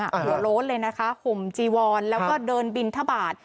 หัวโล้นเลยนะคะห่มจีวอนแล้วก็เดินบินทบาท